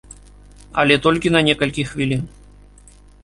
Але толькі на некалькі хвілін.